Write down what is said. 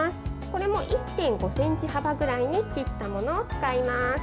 これも１．５ｃｍ幅ぐらいに切ったものを使います。